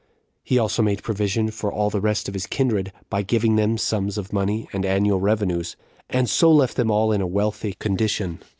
He also made provision for all the rest of his kindred, by giving them sums of money and annual revenues, and so left them all in a wealthy condition.